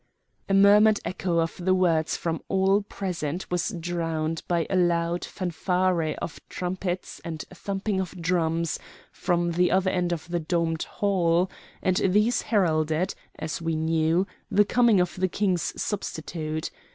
A murmured echo of the words from all present was drowned by a loud fanfare of trumpets and thumping of drums from the other end of the domed hall, and these heralded, as we knew, the coming of the King's substitute.